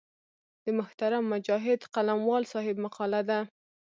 د محترم مجاهد قلموال صاحب مقاله ده.